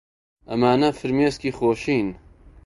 ئەمانە فرمێسکی خۆشین.